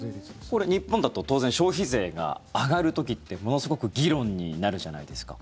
これ、日本だと当然、消費税が上がる時ってものすごく議論になるじゃないですか。